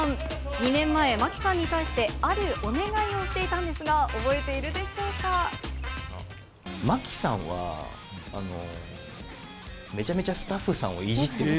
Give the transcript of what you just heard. ２年前、真木さんに対して、あるお願いをしていたんですが、覚えているで真木さんは、めちゃめちゃスタッフさんをいじってる。